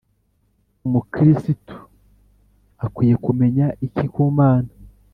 umukirisitu akwiye kumenya iki kumana